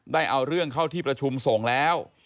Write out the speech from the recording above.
ได้เอาเรื่องเข้าที่ประชุมส่งแล้ว